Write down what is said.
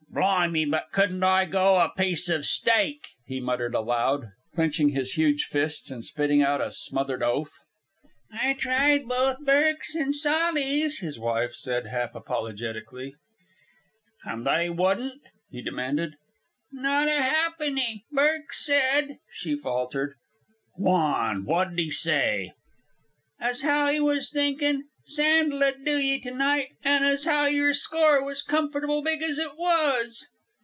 "Blimey, but couldn't I go a piece of steak!" he muttered aloud, clenching his huge fists and spitting out a smothered oath. "I tried both Burke's an' Sawley's," his wife said half apologetically. "An' they wouldn't?" he demanded. "Not a ha'penny. Burke said " She faltered. "G'wan! Wot'd he say?" "As how 'e was thinkin' Sandel ud do ye to night, an' as how yer score was comfortable big as it was."